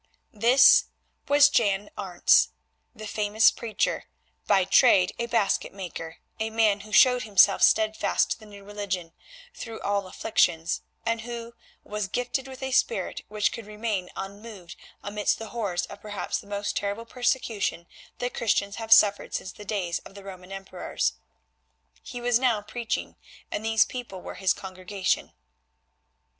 This was Jan Arentz, the famous preacher, by trade a basket maker, a man who showed himself steadfast to the New Religion through all afflictions, and who was gifted with a spirit which could remain unmoved amidst the horrors of perhaps the most terrible persecution that Christians have suffered since the days of the Roman Emperors. He was preaching now and these people were his congregation.